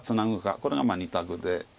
これが２択で。